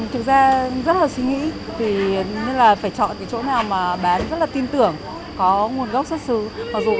thực ra rất hợp suy nghĩ nên là phải chọn cái chỗ nào mà bán rất là tin tưởng có nguồn gốc xuất xứ